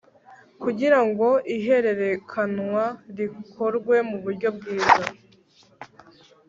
kugira ngo ihererekanwa rikorwe mu uburyo bwiza